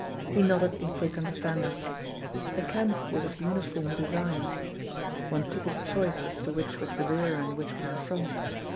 He nodded in quick understanding. The "camp" was of uniform de sign. One took his choice as to which was the rear and which was the front.